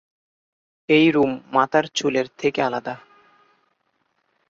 এই রোম মাথার চুলের থেকে আলাদা।